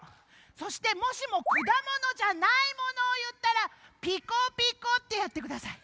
そしてもしもくだものじゃないものをいったら「ピコピコ」ってやってください。